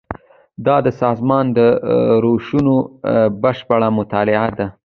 دا د سازمان د روشونو بشپړه مطالعه ده.